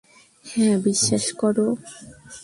হ্যাঁ, বিশ্বাস করো।